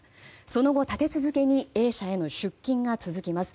その後、立て続けにＡ社への出金が続きます。